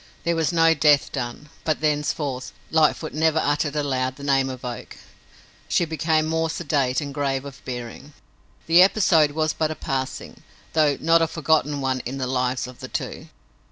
There was no death done, but, thenceforth, Lightfoot never uttered aloud the name of Oak. She became more sedate and grave of bearing. The episode was but a passing, though not a forgotten one in the lives of the two.